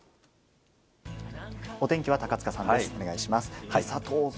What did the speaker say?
お天気は高塚さんです。